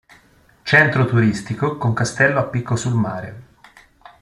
Centro turistico, con castello a picco sul mare.